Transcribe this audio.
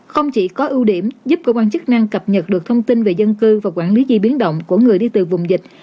không chỉ có ưu điểm giúp cơ quan chức năng cập nhật được thông tin về dân cư và quản lý di biến động của người đi từ vùng dịch